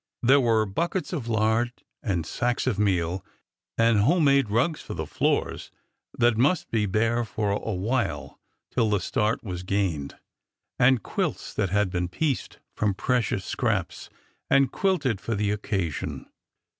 There were buckets of lard and sacks of meal, and home made rugs for the floors that must be bare for a while till the start was gained, and quilts that had been pieced from precious scraps and quilted for the occasion.